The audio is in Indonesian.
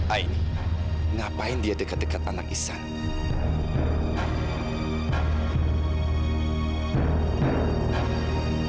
aini ngapain dia dekat dekat anak ihsan